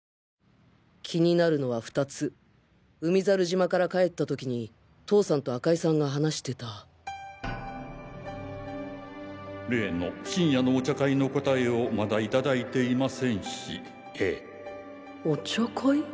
気になるのは２つ海猿島から帰ったときに父さんと赤井さんが話してた例の深夜のお茶会の答えをまだいただいていませんしお茶会？